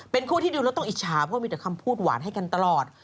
เป็นคู่ที่ดูแล้วต้องอิจฉาเพราะมีแต่คำพูดหวานให้กันตลอด